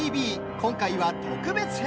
今回は特別編。